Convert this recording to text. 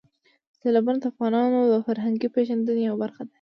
سیلابونه د افغانانو د فرهنګي پیژندنې یوه برخه ده.